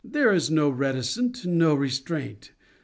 There is no reticence, no restraint.